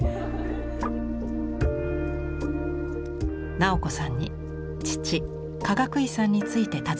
直子さんに父・かがくいさんについて尋ねました。